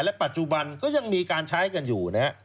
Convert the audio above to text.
ปัจจุบันก็ยังมีการใช้กันอยู่นะฮะ